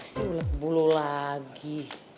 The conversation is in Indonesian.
si ulet bulu lagi